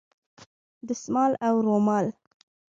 دستمال او رومال